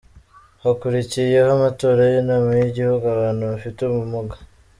Hakurikiyeho amatora y’Inama y’Igihugu y’Abantu bafite ubumuga.